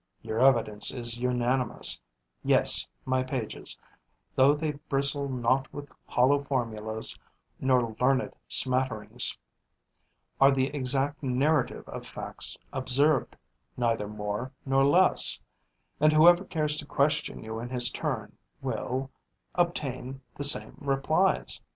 Your evidence is unanimous: yes, my pages, though they bristle not with hollow formulas nor learned smatterings, are the exact narrative of facts observed, neither more nor less; and whoever cares to question you in his turn will, obtain the same replies.